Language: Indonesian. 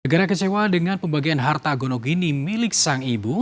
negara kecewa dengan pembagian harta gonogini milik sang ibu